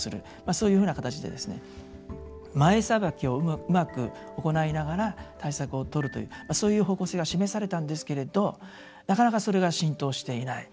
そういうふうな形で前さばきをうまく行いながら対策をとるというそういう方向性が示されたんですけれどなかなかそれが浸透していない。